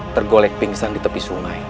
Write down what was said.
tergolek pingsan di tepi sungai